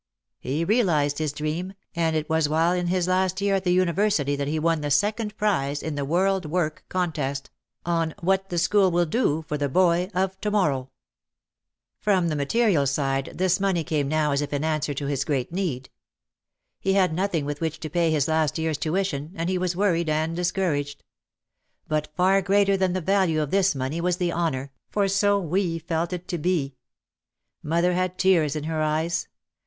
He realised his dream, and it was while in his last year at the university that he won the second prize in the "World Work" contest on "What the School Will Do for the Boy of To morrow." From the material side this OUT OF THE SHADOW 313 money came now as if in answer to his great need. He had nothing with which to pay his last year's tuition, and he was worried and discouraged. But far greater than the value of this money was the honour, for so we felt it to be. Mother had tears in her eyes.